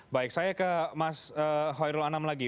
baik saya ke mas hoirul anam lagi